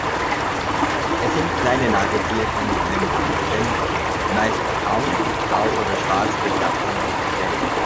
Es sind kleine Nagetiere mit einem dichten, meist braun, grau oder schwarz gefärbten Fell.